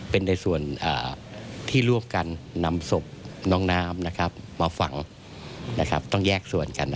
เป็นในส่วนที่ร่วมกันนำศพน้องน้ำมาฝังต้องแยกส่วนกัน